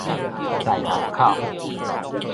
大學口